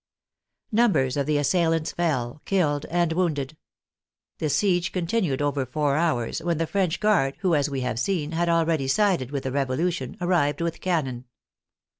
Numbers of the assailants fell, killed and wounded. The siege continued over four hours, when the French Guard, who, as we have seen, had already sided with the Revolution, arrived with cannon.